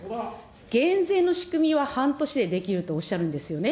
減税の仕組みは半年でできるとおっしゃるんですよね。